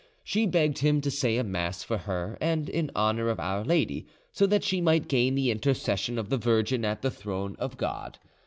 She begged him to say a mass for her and in honour of Our Lady, so that she might gain the intercession of the Virgin at the throne of God.